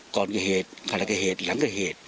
ก่อนคิดเผนคิดหลังคิด